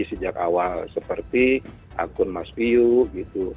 sejak awal seperti akun mas viyu gitu